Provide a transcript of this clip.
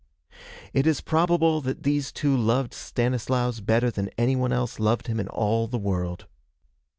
It is probable that these two loved Stanislaus better than any one else loved him in all the world.